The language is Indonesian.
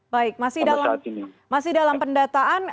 baik masih dalam pendataan